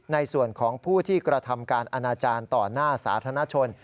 ในส่วนของผู้ที่กระทำการอนาจารย์ต่อหน้าสาธารณชน